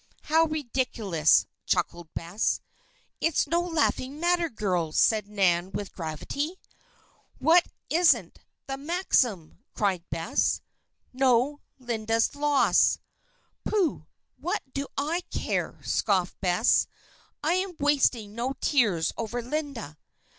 '" "How ridiculous!" chuckled Bess. "It is no laughing matter, girls," said Nan, with gravity. "What isn't; the maxim?" cried Bess. "No. Linda's loss." "Pooh! What do I care?" scoffed Bess. "I'm wasting no tears over Linda."